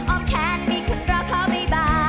ออกแทนมีคุณรักเขาบ่ายบ่าย